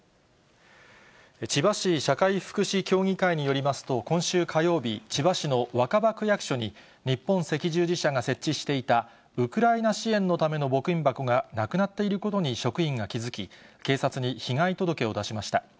千葉市社会福祉協議会によりますと、今週火曜日、千葉市の若葉区役所に日本赤十字社が設置していた、ウクライナ支援のための募金箱がなくなっていることに職員が気付き、警察に被害届を出しました。